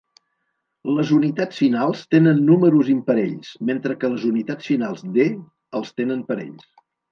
Les unitats finals tenen números imparells, mentre que les unitats finals D els tenen parells.